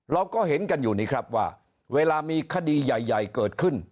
เราก็เห็นกันอยู่นี่ครับว่าเวลามีคดีใหญ่เกิดขึ้น